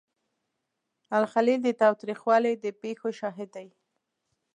الخلیل د تاوتریخوالي د پیښو شاهد دی.